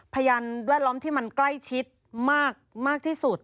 พยานแวดล้อมที่มันใกล้ชิดมากที่สุด